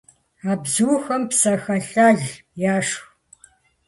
А бзухэм псэхэлӀэл яшх.